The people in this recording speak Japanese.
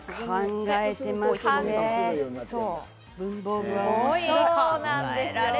考えてられますね。